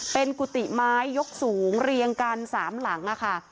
เป็นกุฏิไม้ยกสูงเรียงกัน๓หลังค่ะ